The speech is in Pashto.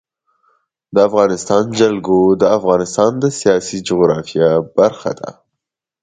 د افغانستان جلکو د افغانستان د سیاسي جغرافیه برخه ده.